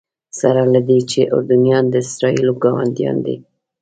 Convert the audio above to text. سره له دې چې اردنیان د اسرائیلو ګاونډیان دي.